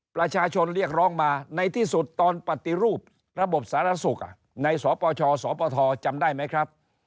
ประชาชนเรียกร้องมาในที่สุดตอนปฏิรูประบบสารสุขในสปชสปทจำได้ไหมครับ